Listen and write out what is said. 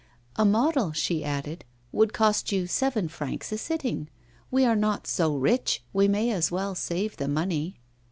'A model,' she added, 'would cost you seven francs a sitting. We are not so rich, we may as well save the money.